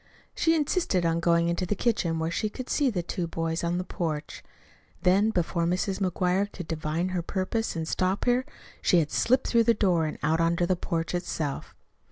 She insisted on going into the kitchen where she could see the two boys on the porch. Then, before Mrs. McGuire could divine her purpose and stop her, she had slipped through the door and out on to the porch itself.